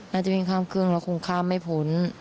น่าจะวิ่งข้ามเครื่องแล้วคงข้ามไม่พ้น